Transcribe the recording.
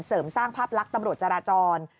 เสริมสร้างภาพลักษณ์ตำรวจจราจร